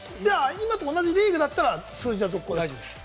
今と同じリーグだったら、数字は続行なんですか？